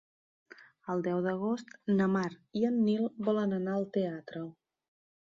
El deu d'agost na Mar i en Nil volen anar al teatre.